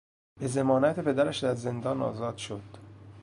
به ضمانت پدرش از زندان آزاد شد.